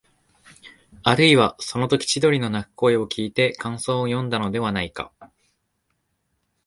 あるいは、そのとき千鳥の鳴く声をきいて感想をよんだのではないか、